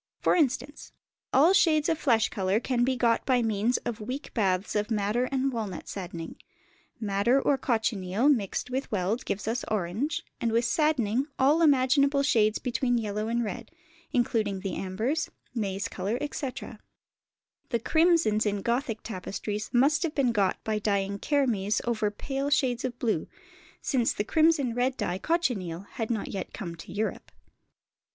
For instance, all shades of flesh colour can be got by means of weak baths of madder and walnut "saddening"; madder or cochineal mixed with weld gives us orange, and with saddening all imaginable shades between yellow and red, including the ambers, maize colour, etc. The crimsons in Gothic tapestries must have been got by dyeing kermes over pale shades of blue, since the crimson red dye, cochineal, had not yet come to Europe.